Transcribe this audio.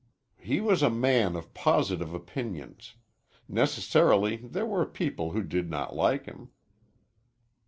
"He was a man of positive opinions. Necessarily there were people who did not like him."